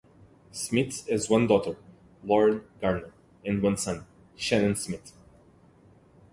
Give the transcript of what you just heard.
Smith has one daughter, Laurel Garner, and one son, Shannon Smith.